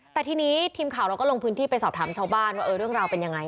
แต่ทีนี้ทีมข่าวเราก็ลงพื้นที่ไปสอบถามชาวบ้านว่าเรื่องราวเป็นยังไง